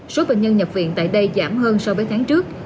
số bệnh nhân nhập viện tại đây giảm hơn so với tháng trước